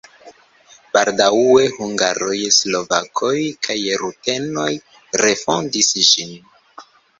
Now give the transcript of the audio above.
Baldaŭe hungaroj, slovakoj kaj rutenoj refondis ĝin.